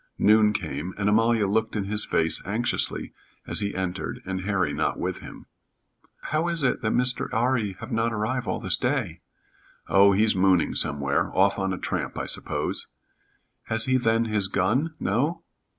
Noon came, and Amalia looked in his face anxiously as he entered and Harry not with him. "How is it that Mr. 'Arry have not arrive all this day?" "Oh, he's mooning somewhere. Off on a tramp I suppose." "Has he then his gun? No?"